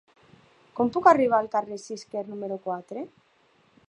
Com puc arribar al carrer de Cisquer número quatre?